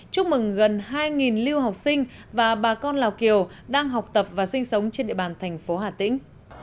chúc mừng gần hai lưu học sinh và bà con lào kiều đang học tập và sinh sống trên địa bàn thành phố hà tĩnh